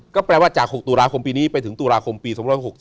ก็แปลว่าจาก๖ตุลาคมปีนี้ไปถึงตุลาคมปี๒๖๔